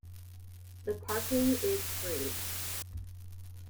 The parking is free.